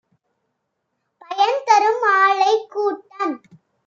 பயன்தரும் ஆலைக் கூட்டம்